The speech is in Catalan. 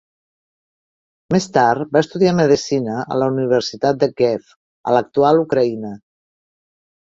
Més tard va estudiar medicina a la Universitat de Kíev, a l'actual Ucraïna.